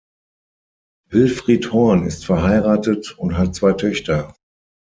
Wilfried Horn ist verheiratet und hat zwei Töchter.